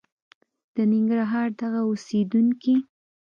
د ننګرهار دغه اوسېدونکي